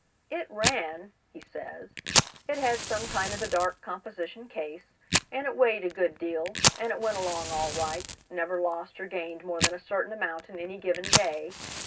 "It ran," he says. "It had some kind of a dark composition case, and it weighed a good deal, and it went along all right — never lost or gained more than a certain amount in any given day.